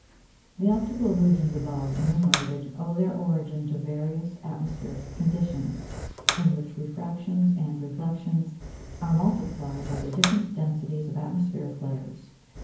] The optical illusions above enumerated owe their origin to various atmospheric conditions, in which refractions and reflections are multiplied by the different densities of atmospheric layers.